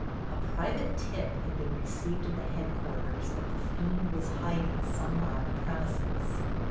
A private "tip" had been received at the headquarters that the fiend was hiding somewhere on the premises.